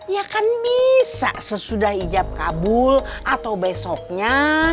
ya kan bisa sesudah hijab kabul atau besoknya